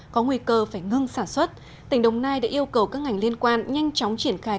có nguy cơ phải ngưng sản xuất tỉnh đồng nai đã yêu cầu các ngành liên quan nhanh chóng triển khai